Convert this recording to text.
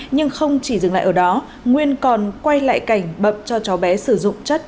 nhưng không chỉ dừng lại ở đó nguyên còn quay lại cảnh bậm cho cháu bé sử dụng chất